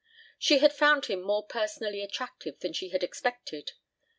She had found him more personally attractive than she had expected.